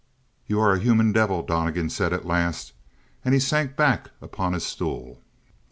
"You are a human devil!" Donnegan said at last, and sank back upon his stool.